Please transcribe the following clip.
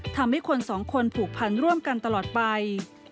ทำให้คนสองคนผูกพันร่วมกันตลอดไป